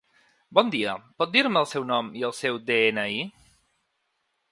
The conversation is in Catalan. Bon dia, pot dir-me el seu nom i el seu de-ena-i?